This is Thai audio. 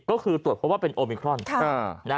ก็คือตรวจเพราะว่าเป็นโอมิครอน